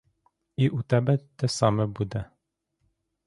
І у тебе те саме буде.